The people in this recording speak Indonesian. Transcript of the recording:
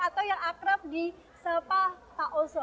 atau yang akrab di sepah pak oso